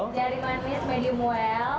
jari manis medium well